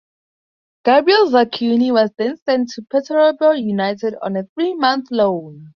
Gabriel Zakuani was then sent to Peterborough United on a three-month loan.